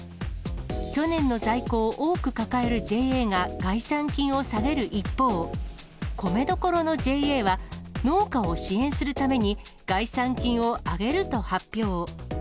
去年の在庫を多く抱えるＪＡが概算金を下げる一方、米どころのＪＡは、農家を支援するために、概算金を上げると発表。